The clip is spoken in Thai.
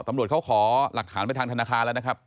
ตำรวจเขาขอหลักฐานไปทางธนาคารแล้วนะครับ